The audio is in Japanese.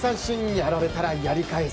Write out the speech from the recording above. やられたらやり返す。